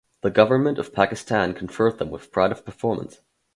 The Government of Pakistan conferred them with Pride of Performance.